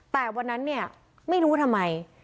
แต่วันนั้นเนี่ยไม่รู้ทำไม